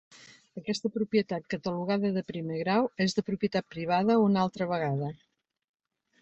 Aquesta propietat, catalogada de Primer Grau, és de propietat privada una altra vegada.